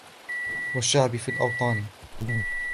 والشعــــــبَ فـــــي الأوطـــــــان